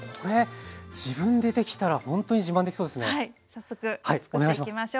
早速つくっていきましょう。